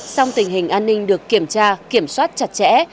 song tình hình an ninh được kiểm tra kiểm soát chặt chẽ